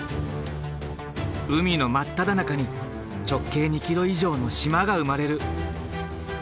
海の真っただ中に直径２ｋｍ以上の島が生まれる。